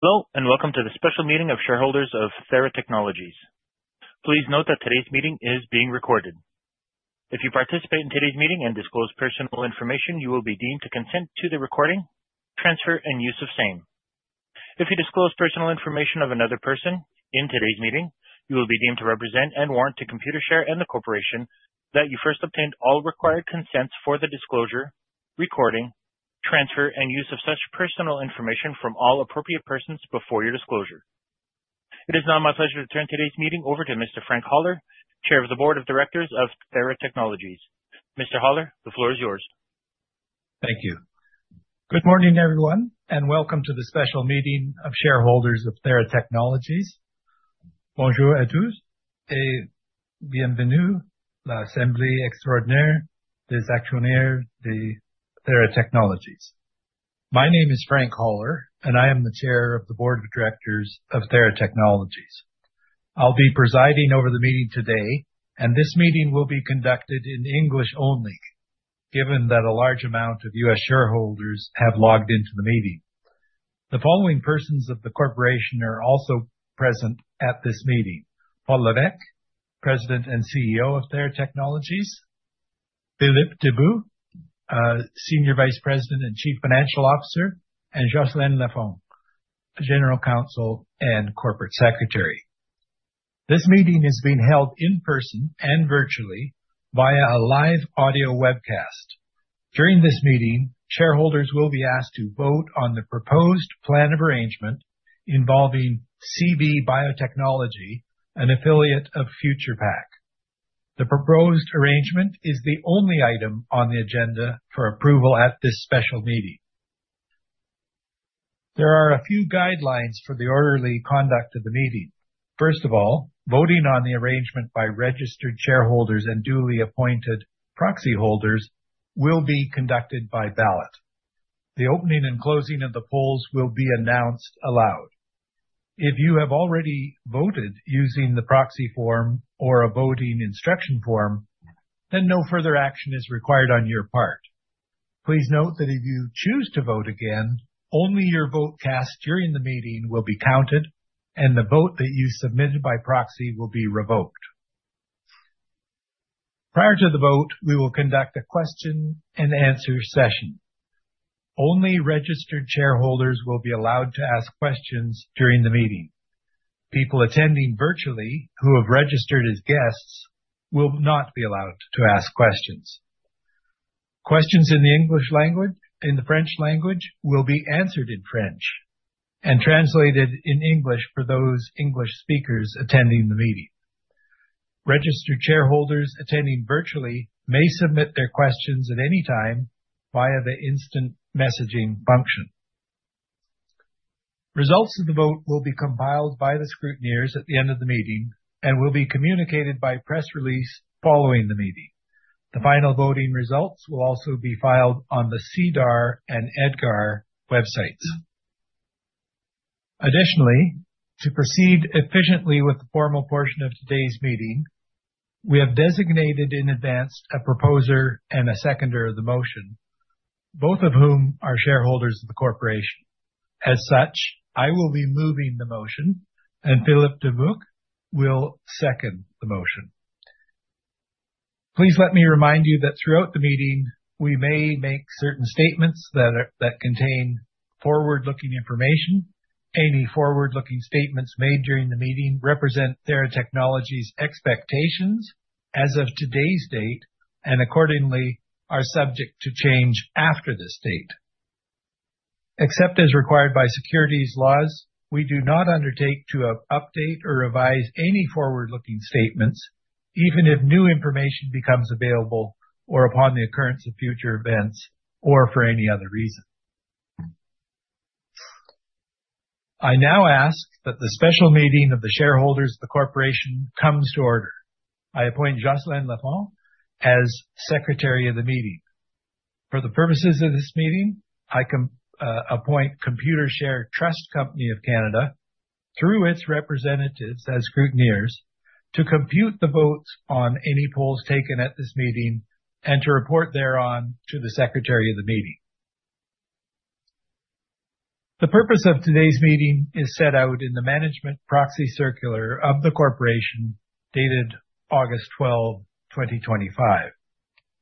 Hello, and welcome to the special meeting of shareholders of Theratechnologies. Please note that today's meeting is being recorded. If you participate in today's meeting and disclose personal information, you will be deemed to consent to the recording, transfer, and use of same. If you disclose personal information of another person in today's meeting, you will be deemed to represent and warrant to Computershare and the corporation that you first obtained all required consents for the disclosure, recording, transfer, and use of such personal information from all appropriate persons before your disclosure. It is now my pleasure to turn today's meeting over to Mr. Frank Holler, Chair of the Board of Directors of Theratechnologies. Mr. Holler, the floor is yours. Thank you. Good morning, everyone, and welcome to the special meeting of shareholders of Theratechnologies. Bonjour à tous et bienvenue à l'assemblée extraordinaire des actionnaires de Theratechnologies. My name is Frank Holler, and I am the Chair of the Board of Directors of Theratechnologies. I will be presiding over the meeting today. This meeting will be conducted in English only, given that a large amount of U.S. shareholders have logged into the meeting. The following persons of the corporation are also present at this meeting. Paul Lévesque, President and CEO of Theratechnologies. Philippe Dubuc, Senior Vice President and Chief Financial Officer. Jocelyn Lafond, General Counsel and Corporate Secretary. This meeting is being held in person and virtually via a live audio webcast. During this meeting, shareholders will be asked to vote on the proposed plan of arrangement involving CB Biotechnology, an affiliate of Future Pak. The proposed arrangement is the only item on the agenda for approval at this special meeting. There are a few guidelines for the orderly conduct of the meeting. First of all, voting on the arrangement by registered shareholders and duly appointed proxy holders will be conducted by ballot. The opening and closing of the polls will be announced aloud. If you have already voted using the proxy form or a voting instruction form, then no further action is required on your part. Please note that if you choose to vote again, only your vote cast during the meeting will be counted, and the vote that you submitted by proxy will be revoked. Prior to the vote, we will conduct a question-and-answer session. Only registered shareholders will be allowed to ask questions during the meeting. People attending virtually who have registered as guests will not be allowed to ask questions. Questions in the French language will be answered in French and translated in English for those English speakers attending the meeting. Registered shareholders attending virtually may submit their questions at any time via the instant messaging function. Results of the vote will be compiled by the scrutineers at the end of the meeting and will be communicated by press release following the meeting. The final voting results will also be filed on the SEDAR and EDGAR websites. To proceed efficiently with the formal portion of today's meeting, we have designated in advance a proposer and a seconder of the motion, both of whom are shareholders of the corporation. As such, I will be moving the motion, and Philippe Dubuc will second the motion. Please let me remind you that throughout the meeting, we may make certain statements that contain forward-looking information. Any forward-looking statements made during the meeting represent Theratechnologies' expectations as of today's date and accordingly are subject to change after this date. Except as required by securities laws, we do not undertake to update or revise any forward-looking statements, even if new information becomes available or upon the occurrence of future events or for any other reason. I now ask that the special meeting of the shareholders of the corporation comes to order. I appoint Jocelyn Lafond as secretary of the meeting. For the purposes of this meeting, I appoint Computershare Trust Company of Canada through its representatives as scrutineers to compute the votes on any polls taken at this meeting and to report thereon to the secretary of the meeting. The purpose of today's meeting is set out in the management proxy circular of the corporation dated August 12, 2025.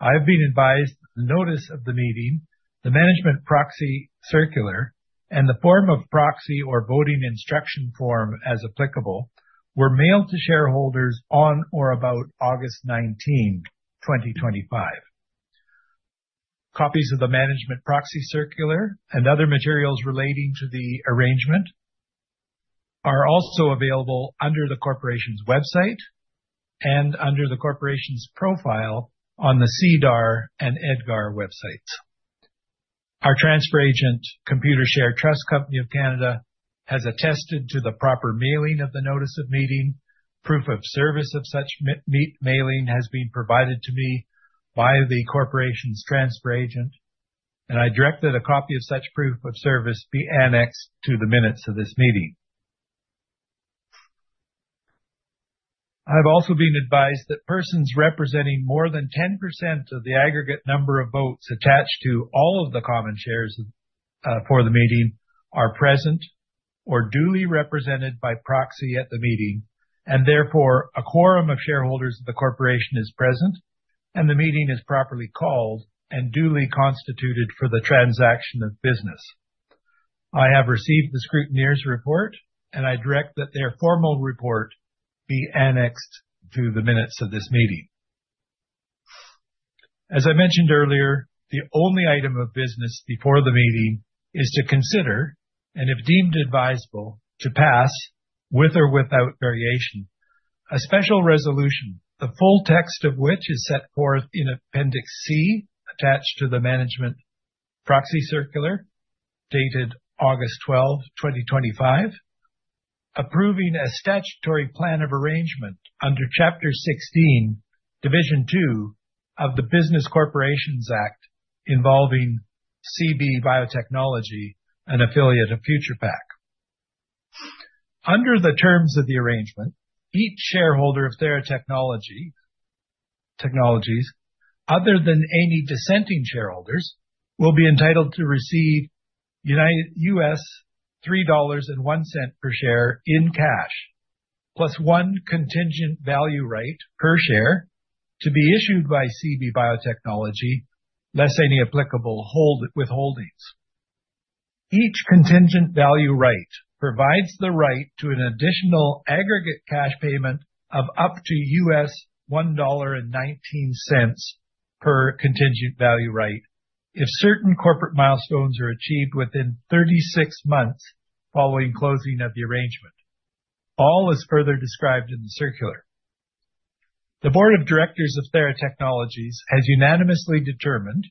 I have been advised notice of the meeting, the management proxy circular, and the form of proxy or voting instruction form, as applicable, were mailed to shareholders on or about August 19, 2025. Copies of the management proxy circular and other materials relating to the arrangement are also available under the corporation's website and under the corporation's profile on the SEDAR and EDGAR websites. Our transfer agent, Computershare Trust Company of Canada, has attested to the proper mailing of the notice of meeting. Proof of service of such mailing has been provided to me by the corporation's transfer agent. I direct that a copy of such proof of service be annexed to the minutes of this meeting. I've also been advised that persons representing more than 10% of the aggregate number of votes attached to all of the common shares for the meeting are present or duly represented by proxy at the meeting, and therefore, a quorum of shareholders of the corporation is present, and the meeting is properly called and duly constituted for the transaction of business. I have received the scrutineers' report. I direct that their formal report be annexed to the minutes of this meeting. As I mentioned earlier, the only item of business before the meeting is to consider, and if deemed advisable, to pass, with or without variation, a special resolution, the full text of which is set forth in Appendix C, attached to the management proxy circular, dated August 12, 2025, approving a statutory plan of arrangement under Chapter 16, Division 2 of the Business Corporations Act involving CB Biotechnology, an affiliate of Future Pak. Under the terms of the arrangement, each shareholder of Theratechnologies, other than any dissenting shareholders, will be entitled to receive $3.01 per share in cash, plus one Contingent Value Right per share to be issued by CB Biotechnology, less any applicable withholdings. Each Contingent Value Right provides the right to an additional aggregate cash payment of up to $1.19 per Contingent Value Right if certain corporate milestones are achieved within 36 months following closing of the arrangement. All is further described in the circular. The board of directors of Theratechnologies has unanimously determined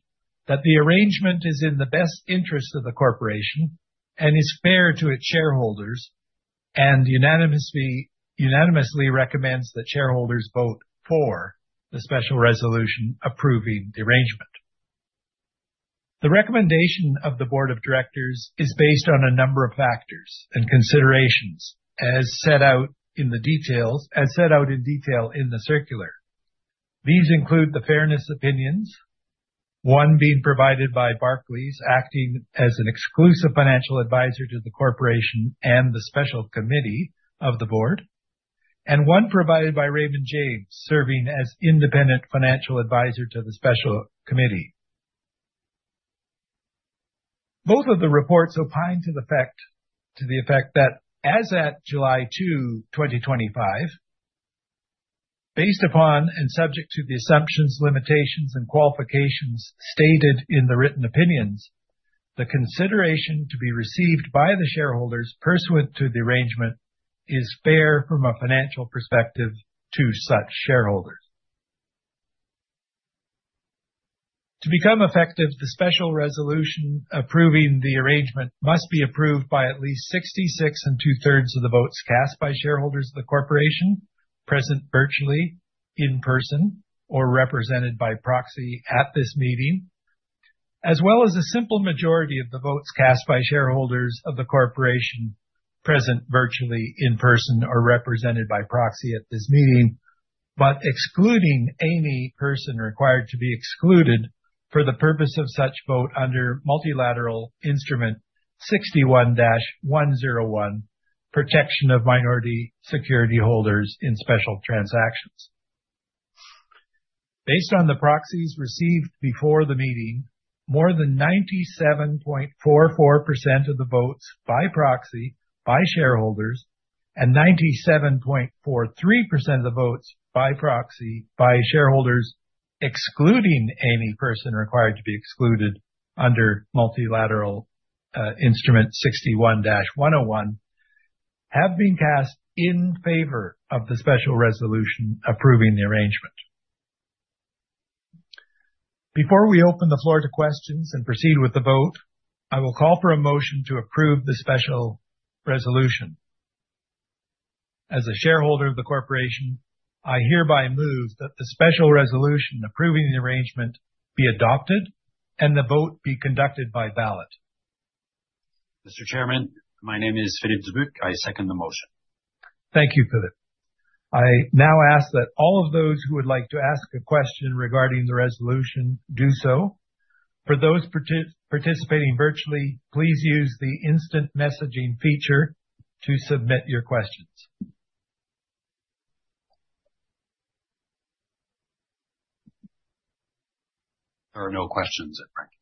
that the arrangement is in the best interest of the corporation and is fair to its shareholders, and unanimously recommends that shareholders vote for the special resolution approving the arrangement. The recommendation of the board of directors is based on a number of factors and considerations as set out in detail in the circular. These include the fairness opinions, one being provided by Barclays, acting as an exclusive financial advisor to the corporation and the special committee of the board, and one provided by Raymond James, serving as independent financial advisor to the special committee. Both of the reports opine to the effect that, as at July 2, 2025, based upon and subject to the assumptions, limitations, and qualifications stated in the written opinions, the consideration to be received by the shareholders pursuant to the arrangement is fair from a financial perspective to such shareholders. To become effective, the special resolution approving the arrangement must be approved by at least 66 and 2/3 of the votes cast by shareholders of the corporation present virtually, in person, or represented by proxy at this meeting, as well as a simple majority of the votes cast by shareholders of the corporation present virtually, in person, or represented by proxy at this meeting, but excluding any person required to be excluded for the purpose of such vote under Multilateral Instrument 61-101 Protection of Minority Security Holders in Special Transactions. Based on the proxies received before the meeting, more than 97.44% of the votes by proxy by shareholders and 97.43% of the votes by proxy by shareholders, excluding any person required to be excluded under Multilateral Instrument 61-101, have been cast in favor of the special resolution approving the arrangement. Before we open the floor to questions and proceed with the vote, I will call for a motion to approve the special resolution. As a shareholder of the corporation, I hereby move that the special resolution approving the arrangement be adopted and the vote be conducted by ballot. Mr. Chairman, my name is Philippe Dubuc. I second the motion. Thank you, Philippe. I now ask that all of those who would like to ask a question regarding the resolution do so. For those participating virtually, please use the instant messaging feature to submit your questions. There are no questions at present.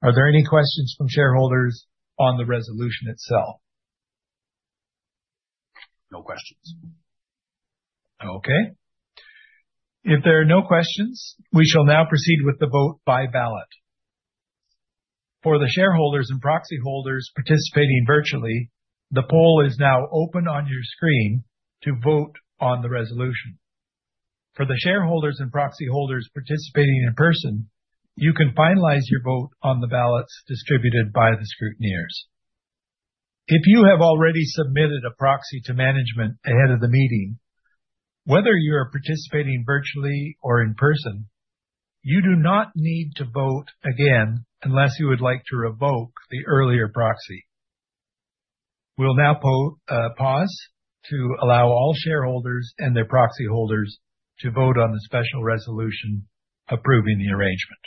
Are there any questions from shareholders on the resolution itself? Okay. If there are no questions, we shall now proceed with the vote by ballot. For the shareholders and proxy holders participating virtually, the poll is now open on your screen to vote on the resolution. For the shareholders and proxy holders participating in person, you can finalize your vote on the ballots distributed by the scrutineers. If you have already submitted a proxy to management ahead of the meeting, whether you are participating virtually or in person. You do not need to vote again unless you would like to revoke the earlier proxy. We'll now pause to allow all shareholders and their proxy holders to vote on the special resolution approving the arrangement.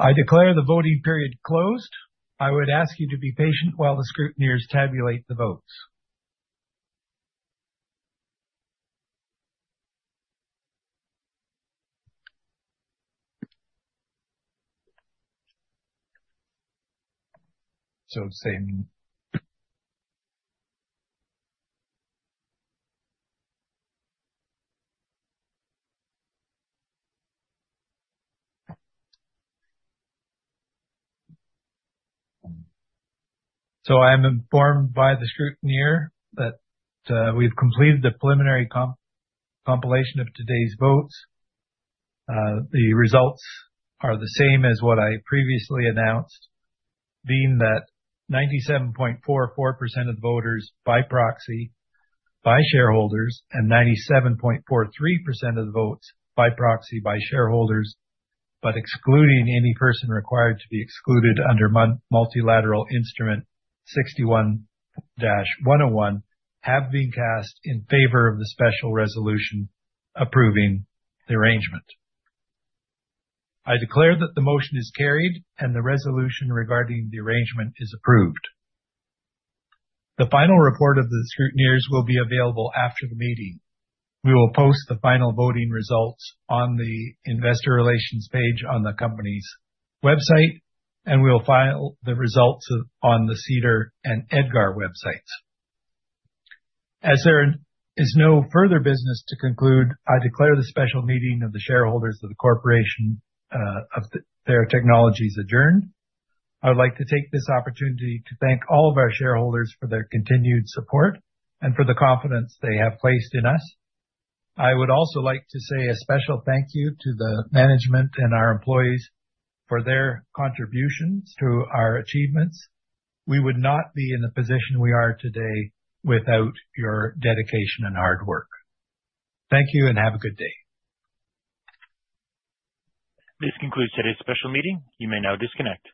I declare the voting period closed. I would ask you to be patient while the scrutineers tabulate the votes. I am informed by the scrutineer that we've completed the preliminary compilation of today's votes. The results are the same as what I previously announced, being that 97.44% of voters by proxy, by shareholders, and 97.43% of the votes by proxy by shareholders, but excluding any person required to be excluded under Multilateral Instrument 61-101, have been cast in favor of the special resolution approving the arrangement. I declare that the motion is carried and the resolution regarding the arrangement is approved. The final report of the scrutineers will be available after the meeting. We will post the final voting results on the investor relations page on the company's website, and we will file the results on the SEDAR and EDGAR websites. As there is no further business to conclude, I declare the special meeting of the shareholders of the corporation of Theratechnologies adjourned. I would like to take this opportunity to thank all of our shareholders for their continued support and for the confidence they have placed in us. I would also like to say a special thank you to the management and our employees for their contributions to our achievements. We would not be in the position we are today without your dedication and hard work. Thank you, and have a good day. This concludes today's special meeting. You may now disconnect.